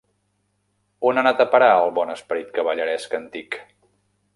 On ha anat a parar el bon esperit cavalleresc antic?